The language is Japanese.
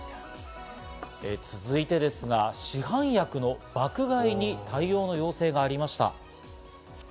続いてですが、市販薬の爆買いに対応の要請がありました。